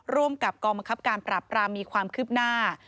ร่วมกับกองบังคับการปราบรามมีความคืบหน้า